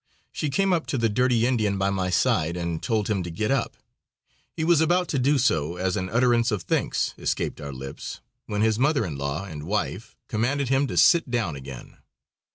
She came up to the dirty Indian by my side and told him to get up. He was about to do so as an utterance of thanks escaped our lips, when his mother in law and wife commanded him to sit down again.